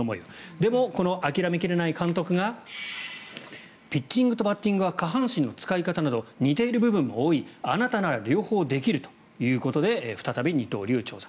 でも、この諦め切れない監督がピッチングとバッティングは下半身の使い方など似ている部分も多いあなたなら両方できるということで再び二刀流に挑戦。